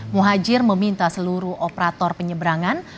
muhajir meminta seluruh operator penyeberangan